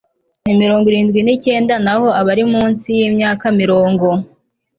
ni mirongo irindwi n icyenda naho abari munsi y imyaka mirongo